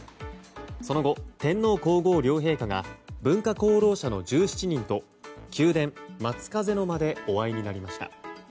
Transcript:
その後、天皇・皇后両陛下が文化功労者の１７人と宮殿・松風の間でお会いになりました。